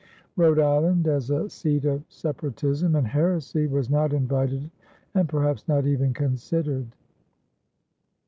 Rhode Island, as a seat of separatism and heresy, was not invited and perhaps not even considered.